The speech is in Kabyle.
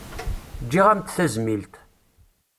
Ǧǧiɣ-am-d tazmilt.